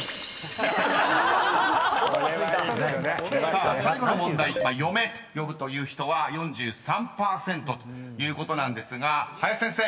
［さあ最後の問題嫁と呼ぶという人は４３％ということなんですが林先生